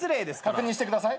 確認してください。